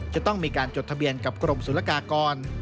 จะต้องมีการจดทะเบียนกับกรมศุลกากร